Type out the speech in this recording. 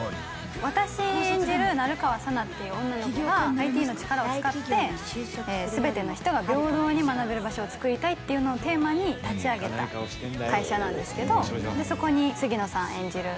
私演じる成川佐奈っていう女の子がＩＴの力を使って「すべての人が平等に学べる場所を作りたい」っていうのをテーマに立ち上げた会社なんですけどそこに杉野さん演じる